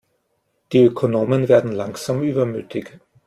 Die Ökonomen werden langsam übermütig.